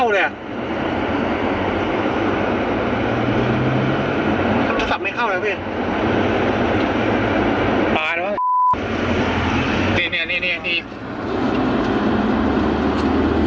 มันไม่เข้าเลยอ่ะ